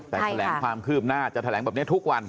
แต่แถลงความคืบหน้าจะแถลงแบบนี้ทุกวัน